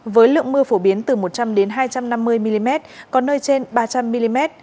với lượng mưa phổ biến từ một trăm linh hai trăm năm mươi mm có nơi trên ba trăm linh mm